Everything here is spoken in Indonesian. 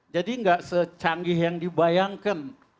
jadi gak secanggih yang dibayangkan